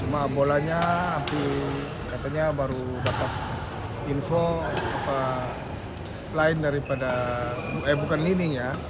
cuma bolanya api katanya baru dapat info lain daripada eh bukan lini ya